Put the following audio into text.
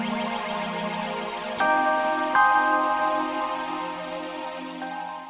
neng neng ini di rumah